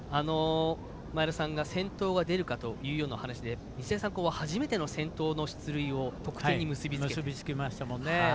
前田さんから先頭が出るかというお話の中で日大三高は初めての先頭の出塁を得点に結び付けて。